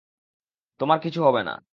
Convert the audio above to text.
তোমার কিছু হবে না।